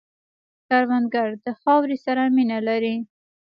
کروندګر د خاورې سره مینه لري